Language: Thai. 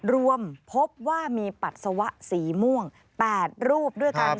รวมพบว่ามีปัสสาวะสีม่วง๘รูปด้วยกัน